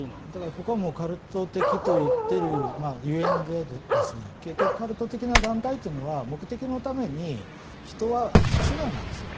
ここはカルト的と言っているゆえんでカルト的な団体は目的のために人は手段なんですよ。